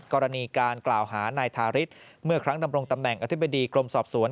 กรณีการกล่าวหานายทาริสเมื่อครั้งดำรงตำแหน่งอธิบดีกรมสอบสวน